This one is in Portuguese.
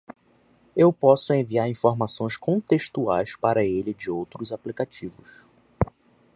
Eu posso enviar informações contextuais para ele de outros aplicativos.